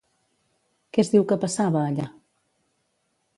Què es diu que passava, allà?